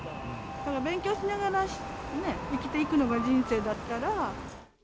だから勉強しながらね、生きていくのが人生だから。